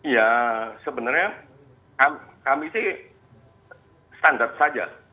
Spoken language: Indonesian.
ya sebenarnya kami sih standar saja